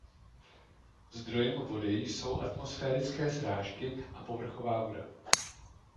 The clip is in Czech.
Zdrojem vody jsou atmosférické srážky a povrchová voda.